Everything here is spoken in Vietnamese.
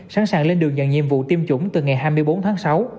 sẵn sàng lên đường nhận nhiệm vụ tiêm chủng từ ngày hai mươi bốn tháng sáu